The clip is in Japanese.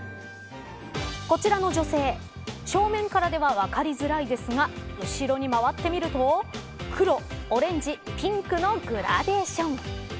こちらの女性正面からでは分かりづらいですが後ろに回ってみると黒、オレンジ、ピンクのグラデーション。